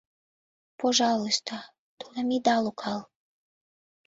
Пожалуйста, тудым ида логал.